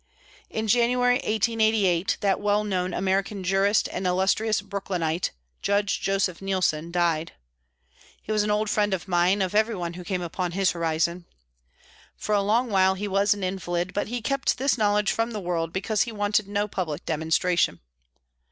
In January, 1888, that well known American jurist and illustrious Brooklynite, Judge Joseph Neilson, died. He was an old friend of mine, of everyone who came upon his horizon. For a long while he was an invalid, but he kept this knowledge from the world, because he wanted no public demonstration.